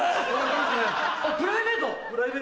プライベート？